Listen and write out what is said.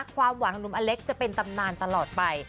ความหวังของหนุ่มอเล็กจะเป็นตำนานตลอดไป